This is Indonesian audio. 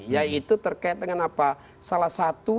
yaitu terkait dengan apa salah satu